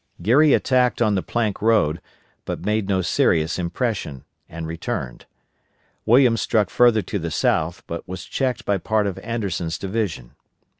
Geary attacked on the plank road, but made no serious impression, and returned. Williams struck further to the south, but was checked by part of Anderson's division.